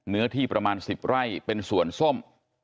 เนื้อที่ประมาณ๑๐ไร่เป็นส่วนส้ม